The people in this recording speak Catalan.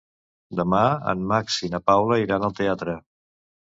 Demà en Max i na Paula iran al teatre.